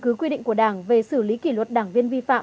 cứ quy định của đảng về xử lý kỷ luật đảng viên vi phạm